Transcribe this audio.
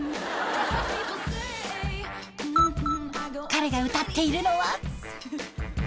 彼が歌っているのは。